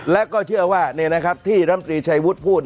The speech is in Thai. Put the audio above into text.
และก็เชื่อว่าที่รำตรีชัยวุฒิพูด